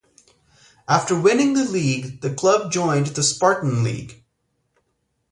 After winning the league the club joined the Spartan League.